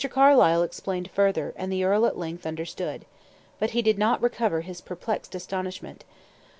Carlyle explained further; and the earl at length understood. But he did not recover his perplexed astonishment.